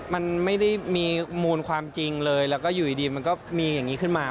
มันไม่ได้มีมูลความจริงเลยแล้วก็อยู่ดีมันก็มีอย่างนี้ขึ้นมา